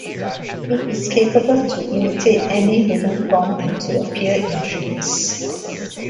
He is capable to imitate any human form and to appear in dreams.